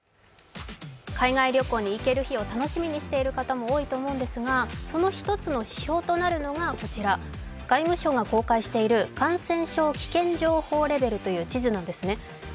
海外旅行に行ける日を楽しみにしてる方も多いと思うんですがその１つの指標となるのがこちら、外務省が公開している感染症危険情報レベルという地図なんですね。